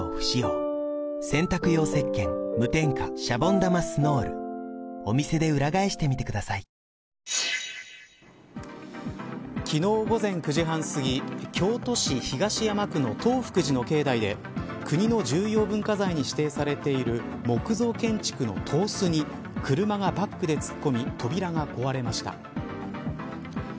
１４９円台はおよそ３２年ぶりの昨日、午前９時半すぎ京都市東山区の東福寺の境内で国の重要文化財に指定されている木造建築の東司に車がバックで突っ込み扉が壊れました。